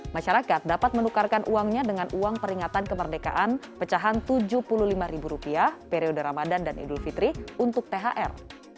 masyarakat dapat menukarkan uangnya dengan uang peringatan kemerdekaan pecahan rp tujuh puluh lima periode ramadan dan idul fitri untuk thr